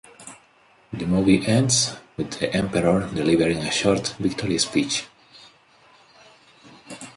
The movie ends with the Emperor delivering a short victory speech.